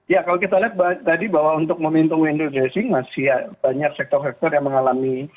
ya kalau kita lihat tadi bahwa untuk memintung window dressing masih banyak sektor sektor yang mengalami